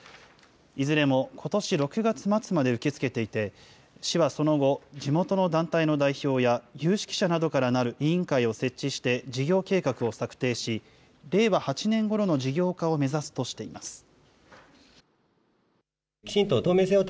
いずれもことし６月末まで受け付けていて、市はその後、地元の団体の代表や有識者などからなる委員会を設置して事業計画を策定し、令和８年ごろまでの事業化を目指すとしています。